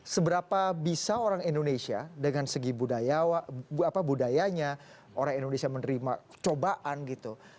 seberapa bisa orang indonesia dengan segi budayanya orang indonesia menerima cobaan gitu